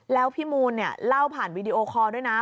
แล้วพี่มูลเนี่ยเล่าผ่านวีดีโอคอลด้วยนะ